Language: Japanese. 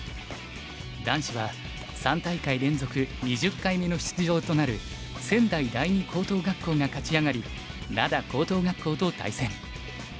男子は３大会連続２０回目の出場となる仙台第二高等学校が勝ち上がり灘高等学校と対戦。